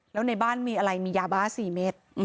แล้วในบ้านมีอะไรมียาบ้า๔เมตร